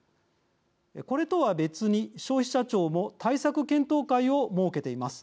これとは別に、消費者庁も対策検討会を設けています。